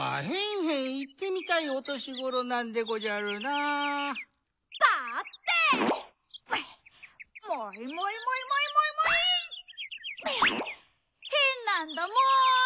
へんなんだもん！